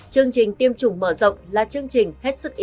chương trình tiêm chủng mở rộng là chương trình hết sức ý